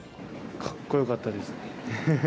かっこよかったです。